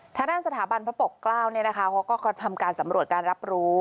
ทางด้านสถาบันพระปกเกล้าเขาก็ทำการสำรวจการรับรู้